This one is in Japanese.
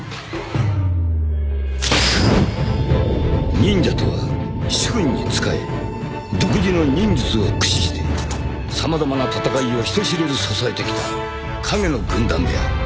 ［忍者とは主君に仕え独自の忍術を駆使して様々な戦いを人知れず支えてきた影の軍団である］